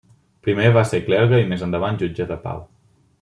Primer va ser clergue i més endavant jutge de pau.